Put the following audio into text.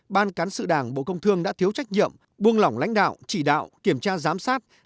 ban cán sự đảng bộ công thương đã thiếu trách nhiệm buông lỏng lãnh đạo chỉ đạo kiểm tra giám sát